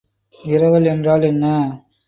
விரவல் என்றால் என்ன?